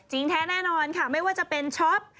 แท้แน่นอนค่ะไม่ว่าจะเป็นช็อป